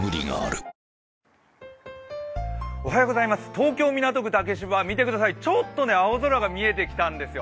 東京・港区竹芝、見てください、ちょっと青空が見えてきたんですよ。